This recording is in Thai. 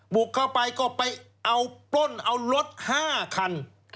บุกเข้าไปก็ไปเอาปล้นเอารถ๕คัน